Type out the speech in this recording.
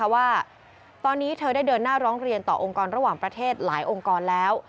ว่าตอนนี้เธอได้เดินหน้าร้องเรียนต่อองค์กรระหว่างประเทศหลายองค์กรแล้ว